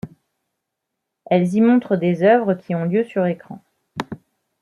Elles y montrent des œuvres qui ont lieu sur écran.